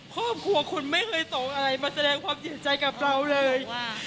ครอบครัวคุณไม่เคยส่งอะไรมาแสดงความเสียใจกับเราเลย